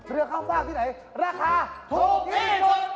เรือข้ามฟากที่ไหนราคาถูกที่สุด